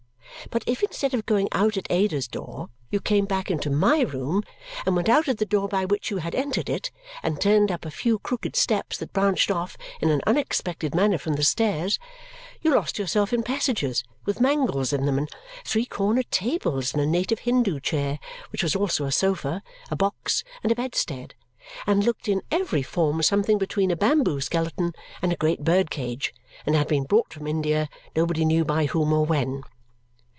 But if instead of going out at Ada's door you came back into my room, and went out at the door by which you had entered it, and turned up a few crooked steps that branched off in an unexpected manner from the stairs, you lost yourself in passages, with mangles in them, and three cornered tables, and a native Hindu chair, which was also a sofa, a box, and a bedstead, and looked in every form something between a bamboo skeleton and a great bird cage, and had been brought from India nobody knew by whom or when.